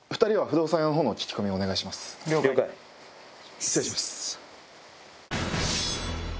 失礼します。